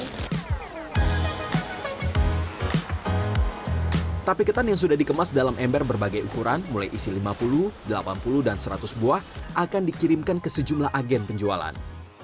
tape ketan yang sudah dikemas dalam ember berbagai ukuran mulai isi lima puluh delapan puluh dan seratus buah akan dikirimkan ke sejumlah agen penjualan